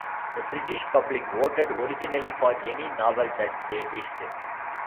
The British public voted originally for any novel that they wished.